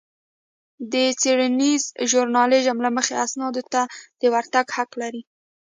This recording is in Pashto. د څېړنيز ژورنالېزم له مخې اسنادو ته د ورتګ حق لرئ.